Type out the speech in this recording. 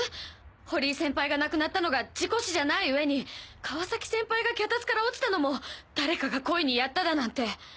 堀井先輩が亡くなったのが事故死じゃない上に川崎先輩が脚立から落ちたのも誰かが故意にやっただなんて。